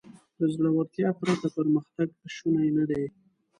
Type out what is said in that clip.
له زړهورتیا پرته پرمختګ شونی نهدی.